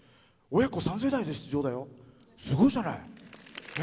親子３世代で出場だよすごいじゃない！